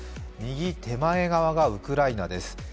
右手前側がウクライナです。